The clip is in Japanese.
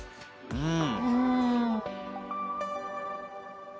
うん！